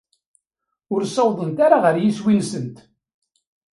Ur ssawḍent ara ɣer yiswi-nsent.